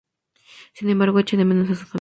Sin embargo, echa de menos a su familia.